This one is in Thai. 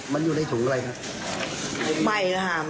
มันอยู่ในถุงอะไรครับ